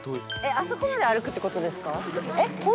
あそこまで歩くって事ですか？